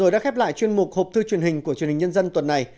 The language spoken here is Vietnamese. đây là chuyên mục hộp thư truyền hình của truyền hình nhân dân tuần này